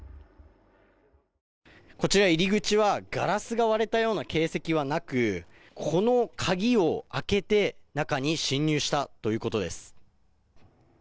こちら入り口はガラスが割られた形跡はなく鍵を開けて中に侵入したということです。